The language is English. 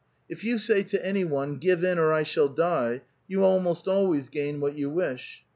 If you say to any one, 'Give in, or I shall die,' you almost always gain what you wish.